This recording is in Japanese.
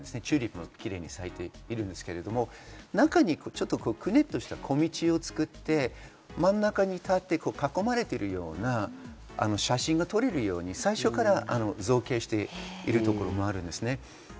チューリップもキレイに咲いているんですけれど、中にくねっとした小道を作って、真ん中に立って囲まれているような写真が撮れるように最初から造形しているところもあります。